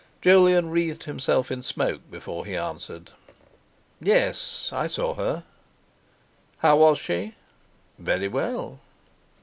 Jolyon wreathed himself in smoke before he answered: "Yes, I saw her." "How was she?" "Very well."